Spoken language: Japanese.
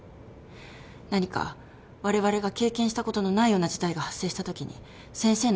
何かわれわれが経験したことのないような事態が発生したときに先生の知見が。